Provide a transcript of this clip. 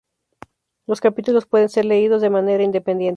Los capítulos pueden ser leídos de manera independiente.